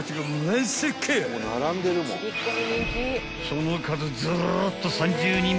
［その数ずらっと］